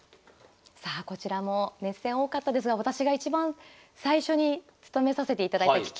さあこちらも熱戦多かったですが私がいちばん最初に務めさせていただいた聞き手の一戦。